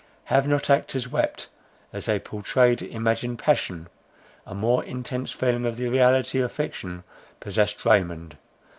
Have not actors wept, as they pourtrayed imagined passion? A more intense feeling of the reality of fiction possessed Raymond.